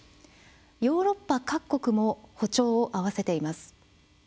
ヨーロッパ各国も歩調を合わせています。